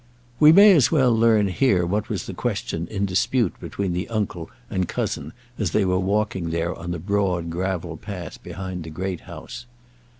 We may as well learn here what was the question in dispute between the uncle and cousin, as they were walking there on the broad gravel path behind the Great House.